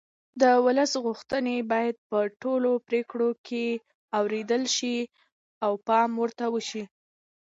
د ولس غوښتنې باید په ټولو پرېکړو کې اورېدل شي او پام ورته وشي